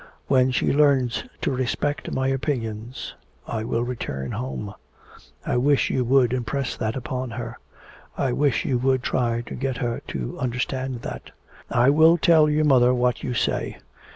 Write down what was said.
When she learns to respect my opinions I will return home. I wish you would impress that upon her. I wish you would try to get her to understand that.' 'I will tell your mother what you say.